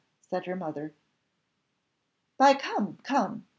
said her mother. "By 'come, come!